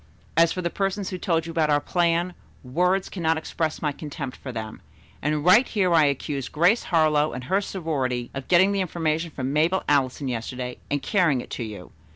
As for the persons who told you about our plan, words cannot express my contempt for them, and right here I accuse Grace Harlowe and her sorority of getting the information from Mabel Allison yesterday and carrying it to you.